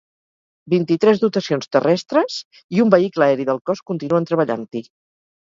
Vint-i-tres dotacions terrestres i un vehicle aeri del cos continuen treballant-hi.